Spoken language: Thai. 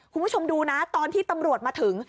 คุณผู้ชมดูนะตอนที่ตำรวจมาถึง